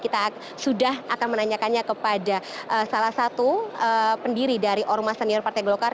kita sudah akan menanyakannya kepada salah satu pendiri dari ormas senior partai golkar